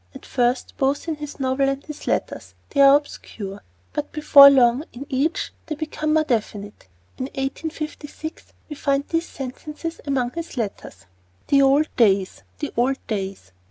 At first, both in his novel and in his letters, they are obscure; but before long, in each, they become very definite. In 1856, we find these sentences among his letters: The old days the old days!